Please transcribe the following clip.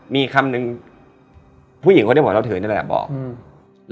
มีคำนึงผู้หญิงเขาได้บอกแล้วเถอะนี่แหละบอกอืม